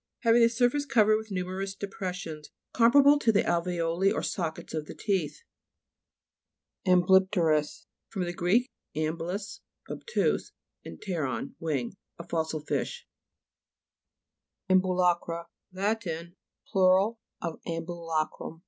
Hav ing the surface covered with nu merous depressions, comparable to the alve'oli or sockets of the teeth. AMBLY'PTKRUS fr. gr. amblus, ob tuse, pteron, wing. A fossil fish. AMBULA'CRA Lat. plur. of ambula crum.